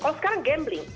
kalau sekarang gambling